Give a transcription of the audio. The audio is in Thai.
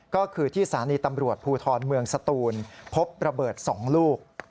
ก็คือที่สถานีตำรวจภูทรเมืองสตูนพบระเบิด๒ลูก